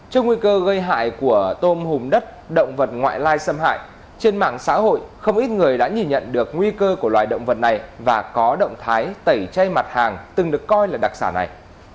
trước nguy cơ gây hại của tôm hùm đất động vật ngoại lai xâm hại trên mạng xã hội không ít người đã nhìn nhận được nguy cơ của loài động vật này và có động thái tẩy chay mặt hàng từng được coi là đặc sản này